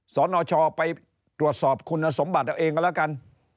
สนชไปตรวจสอบคุณสมบัติเอาเองก็แล้วกัน